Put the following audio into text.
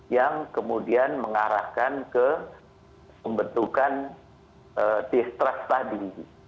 yang kemudian mengarahkan ke pembentukan distrust tadi